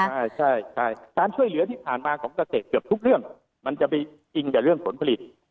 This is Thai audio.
ใช่ใช่การช่วยเหลือที่ผ่านมาของเกษตรเกือบทุกเรื่องมันจะไปจริงกับเรื่องผลผลิต